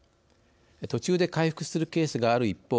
途中で回復するケースがある一方